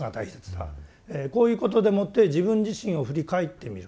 こういうことでもって自分自身を振り返ってみる。